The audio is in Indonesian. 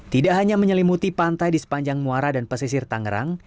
tidak hanya menyelimuti pantai di sepanjang muara dan pesisir tangerang